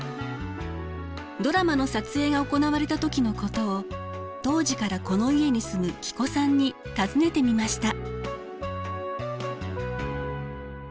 ドラマの撮影が行われた時のことを当時からこの家に住む喜古さんに尋ねてみました。